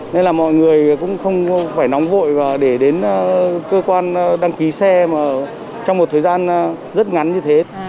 nên là mọi người cũng không phải nóng vội và để đến cơ quan đăng ký xe mà trong một thời gian rất ngắn như thế